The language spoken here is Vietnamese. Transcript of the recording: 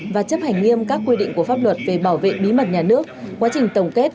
và chấp hành nghiêm các quy định của pháp luật về bảo vệ bí mật nhà nước quá trình tổng kết